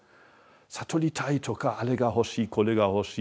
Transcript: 悟りたいとかあれが欲しいこれが欲しい。